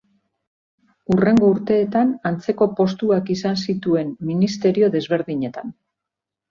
Hurrengo urteetan antzeko postuak izan zituen ministerio desberdinetan.